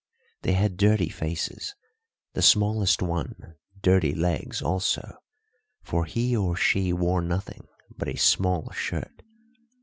They had dirty faces, the smallest one dirty legs also, for he or she wore nothing but a small shirt.